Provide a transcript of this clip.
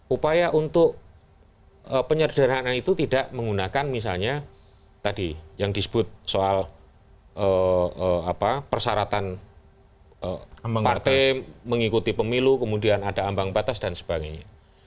upaya untuk penyederhanaan itu tidak menggunakan misalnya tadi yang disebut soal persyaratan partai mengikuti pemilu kemudian ada ambang batas dan sebagainya